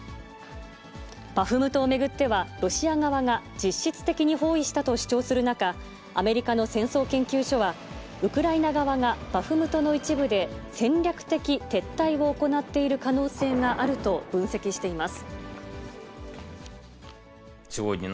バフムトを巡っては、ロシア側が実質的に包囲したと主張する中、アメリカの戦争研究所は、ウクライナ側がバフムトの一部で戦略的撤退を行っている可能性があると分析しています。